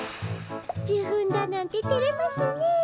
じゅふんだなんててれますねえ。